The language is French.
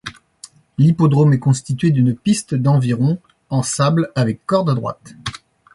L'hippodrome est constituée d'une piste d'environ en sable avec corde à droite.